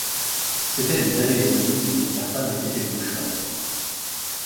C’étaient des allées et venues qui ne laissèrent pas d’inquiéter le bushman.